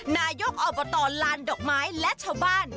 นายกอบตลานดอกไม้และชาวบ้าน